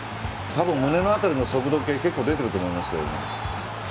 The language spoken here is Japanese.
多分胸の辺りの速度計結構、出てると思いますけどね。